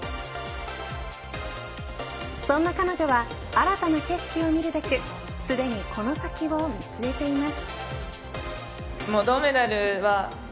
そんな彼女は新たな景色を見るべくすでにこの先を見据えています。